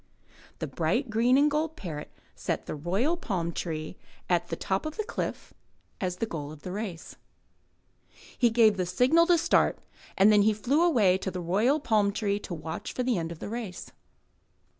The bright green and gold parrot set the royal palm tree at the top of the cliff as the goal of the race. 129 MY BOOK HOUSE He gave the signal to start and then he flew away to the royal palm tree to watch for the end of the race.